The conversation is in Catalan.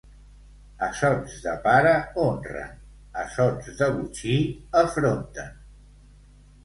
Assots de pare honren, assots de botxí afronten.